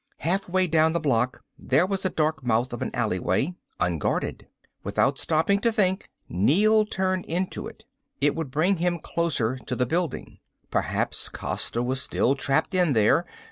Halfway down the block there was a dark mouth of an alleyway unguarded. Without stopping to think, Neel turned into it. It would bring him closer to the building. Perhaps Costa was still trapped in there.